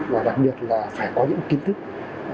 và đặc biệt là phải có những kiến thức giỏi về công nghệ